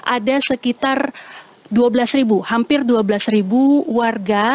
ada sekitar dua belas hampir dua belas warga